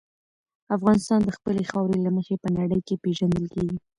افغانستان د خپلې خاورې له مخې په نړۍ کې پېژندل کېږي.